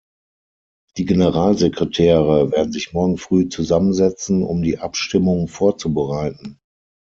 Die Generalsekretäre werden sich morgen früh zusammensetzen, um die Abstimmung vorzubereiten.